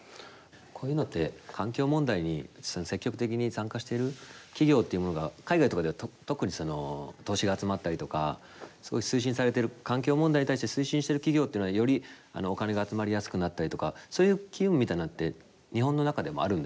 こういうのって環境問題に積極的に参加してる企業っていうものが海外とかでは特にその投資が集まったりとか環境問題に対して推進してる企業っていうのはよりお金が集まりやすくなったりとかそういう機運みたいなのって日本の中でもあるんですか？